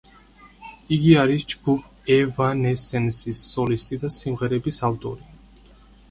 იგი არის ჯგუფ ევანესენსის სოლისტი და სიმღერების ავტორი.